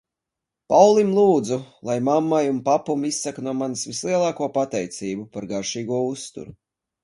Paulim lūdzu lai mammai un papum izsaka no manis vislielāko pateicību par garšīgo uzturu.